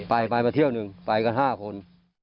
ไปไปมาเที่ยวหนึ่งไปกัน๕คน